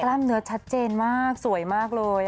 กล้ามเนื้อชัดเจนมากสวยมากเลย